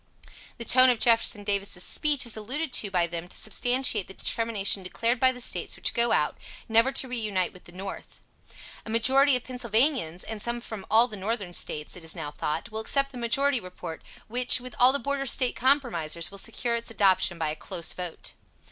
The tone of Jeff. Davis' speech is alluded to by them to substantiate the determination declared by the States which go out, never to reunite with the North. A majority of Pennsylvanians, and some from all the Northern States, it is now thought, will accept the majority report, which, with all the Border State compromisers, will secure its adoption by a close vote.